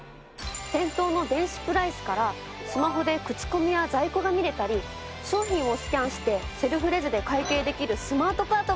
店頭の電子プライスからスマホで口コミや在庫が見れたり商品をスキャンしてセルフレジで会計できるスマートカートがあるんですね。